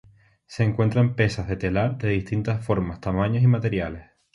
Se encuentran pesas de telar de distintas formas, tamaños y materiales.